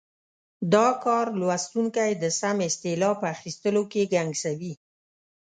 دا کار لوستونکی د سمې اصطلاح په اخیستلو کې ګنګسوي.